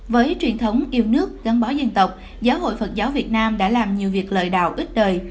với truyền thống yêu nước gắn bó dân tộc giáo hội phật giáo việt nam đã làm nhiều việc lợi đạo ít đời